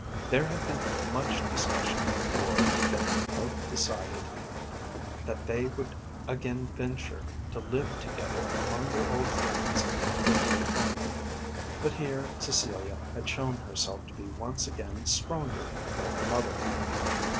There had been much discussion before they had both decided that they would again venture to live together among their old friends in their old home. But here Cecilia had shown herself to be once again stronger than her mother.